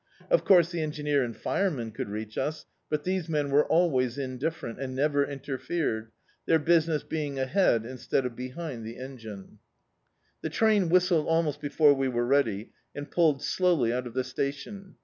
Of course, the engineer and fireman could reach us, but these men were al ways indifferent, and never interfered, their business being ahead Instead of behind the en^e. D,i.,.db, Google A Voice in the Dark The train whistled almost before we were ready, and pulled slowly out of the station.